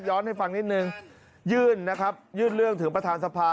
ย้อนให้ฟังนิดหนึ่งยื่นนะครับยื่นเรื่องถึงประธานทรัฐภาค